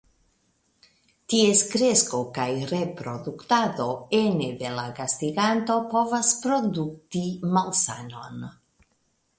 Ties kresko kaj reproduktado ene de la gastiganto povas produkti malsanon.